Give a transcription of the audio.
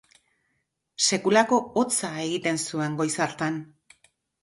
Sekulako hotza egiten zuen goiz hartan.